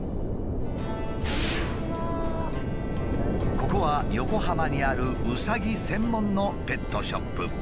ここは横浜にあるうさぎ専門のペットショップ。